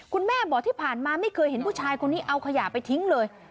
คุณแม่บอกที่ผ่านมาไม่เคยเห็นผู้ชายคนนี้เอาขยะไปทิ้งเลย